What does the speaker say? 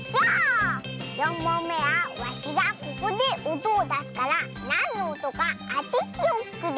４もんめはわしがここでおとをだすからなんのおとかあてておくれ。